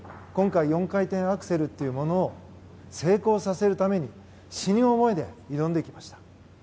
今回４回転アクセルというものを成功させるために死ぬ思いで挑んできました。